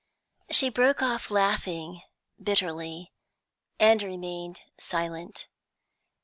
She broke off' laughing bitterly, and remained silent.